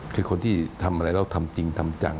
คือคนที่ทำอะไรแล้วทำจริงทำจัง